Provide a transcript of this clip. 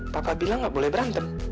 papa bilang nggak boleh berantem